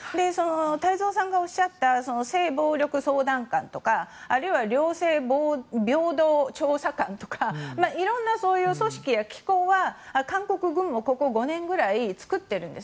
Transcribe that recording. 太蔵さんがおっしゃった性暴力相談官とかあるいは両性平等調査官とか色んな組織や機構は韓国軍もここ５年くらい作っているんです。